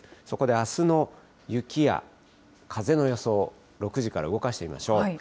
そこであすの雪や風の予想、６時から動かしてみましょう。